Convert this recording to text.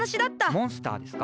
モンスターですか？